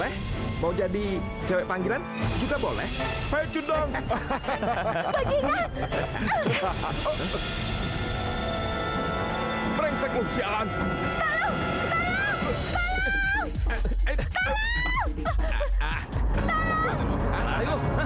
hei lepasin dari situ